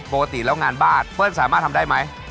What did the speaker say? ปกติแล้วงานบ้านเปิ้ลสามารถทำได้ไหม